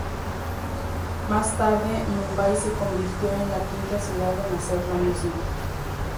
Más tarde, Mumbai se convirtió en la quinta ciudad en hacer lo mismo.